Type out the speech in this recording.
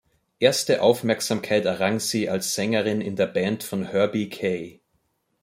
Erste Aufmerksamkeit errang sie als Sängerin in der Band von Herbie Kay.